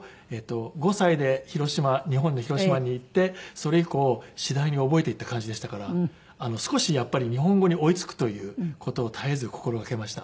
５歳で広島日本の広島に行ってそれ以降次第に覚えていった感じでしたから少しやっぱり日本語に追い付くという事を絶えず心がけました。